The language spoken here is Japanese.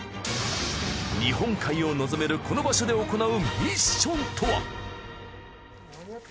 日本海を望めるこの場所で行うミッションとは？